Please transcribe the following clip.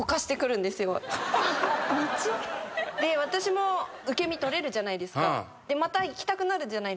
私も受け身とれるじゃないですか。